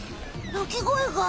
鳴き声が？